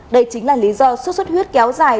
đây chính là lý do sốt xuất huyết kéo dài